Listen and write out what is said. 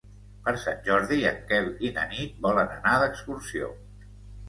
Per Sant Jordi en Quel i na Nit volen anar d'excursió.